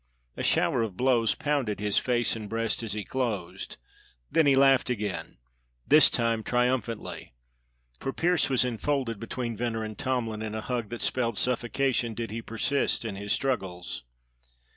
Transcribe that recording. A shower of blows pounded his face and breast as he closed, then he laughed again; this time triumphantly; for Pearse was enfolded between Venner and Tomlin in a hug that spelled suffocation did he persist in his struggles.